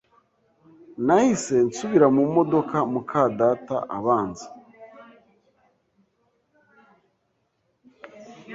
Nahise nsubira mu modoka, mukadata abanza